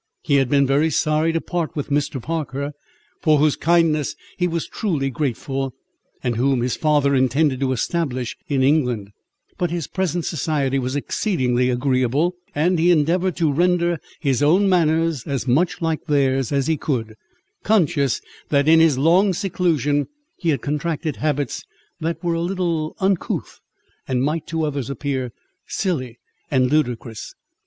He had been very sorry to part with Mr. Parker, for whose kindness he was truly grateful, and whom his father intended to establish in England; but his present society was exceedingly agreeable, and he endeavoured to render his own manners as much like theirs as he could, conscious that in his long seclusion, he had contracted habits that were a little uncouth, and might to others appear silly and ludicrous.